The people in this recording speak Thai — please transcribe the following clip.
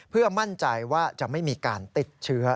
เพื่อมั่นใจว่าจะไม่มีการติดเชื้อ